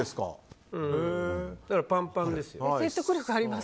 だから、パンパンですよ。